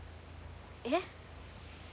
えっ。